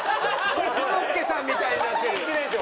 コロッケさんみたいになってるよ。